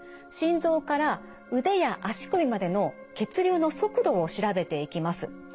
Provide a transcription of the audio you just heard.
心臓から腕や足首までの血流の速度を調べていきます。